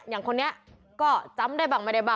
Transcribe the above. อย่างคนเนี้ยจำใดบ